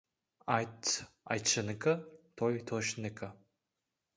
Айт айтшынікі, той тойшынікі.